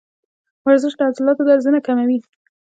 ورزش د عضلاتو درزونه کموي.